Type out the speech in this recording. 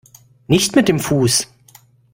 Nicht mit dem Fuß!